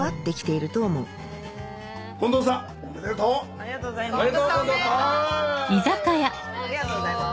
ありがとうございます。